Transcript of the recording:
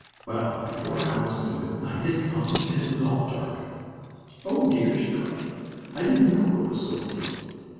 Well, before Alice knew it, night had come, and it was all dark. "Oh! dear!" she cried, "I didn't know it was so late."